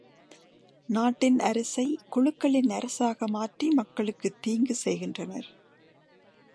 நாட்டின் அரசைக் குழுக்களின் அரசாக மாற்றி மக்களுக்குத் தீங்கு செய்கின்றனர்.